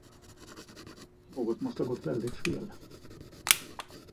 Något måste ha gått väldigt fel.